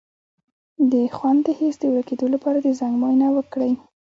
د خوند د حس د ورکیدو لپاره د زنک معاینه وکړئ